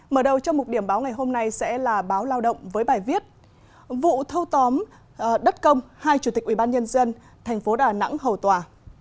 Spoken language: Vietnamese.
mở đầu trong một điểm báo ngày hôm nay sẽ là báo lao động với bài viết vụ thâu tóm đất công hai chủ tịch ubnd tp đà nẵng hầu tòa